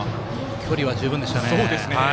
距離は十分でしたね。